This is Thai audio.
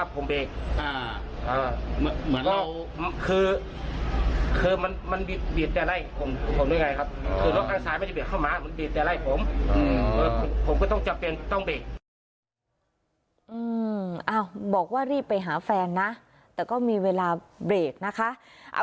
ก็คือผมเบรกผมชะลออ่ะครับอ๋อคือข้างหน้ามันไม่มีรถจริงอ่า